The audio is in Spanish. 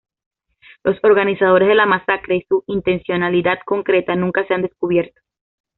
Los organizadores de la masacre y su intencionalidad concreta nunca se han descubierto.